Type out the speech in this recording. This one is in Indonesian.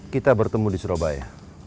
kita bertemu di surabaya